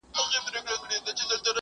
هغه خلک چې په ستونزو کې ولاړ دي.